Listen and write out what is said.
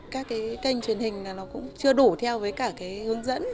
các cái kênh truyền hình là nó cũng chưa đủ theo với cả cái hướng dẫn